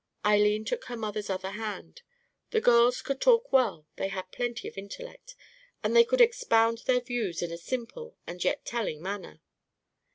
Eileen took her mother's other hand. The girls could talk well; they had plenty of intellect, and they could expound their views in a simple and yet telling manner.